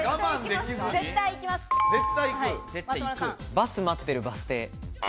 バス待ってるバス停。